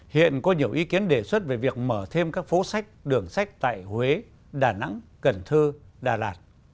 hiện có nhiều ý kiến đề xuất về việc mở thêm các phố sách đường sách tại huế đà nẵng cần thơ đà lạt